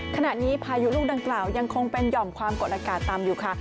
พายุลูกดังกล่าวยังคงเป็นห่อมความกดอากาศต่ำอยู่ค่ะ